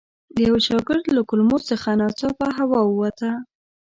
د یوه شاګرد له کلمو څخه ناڅاپه هوا ووته.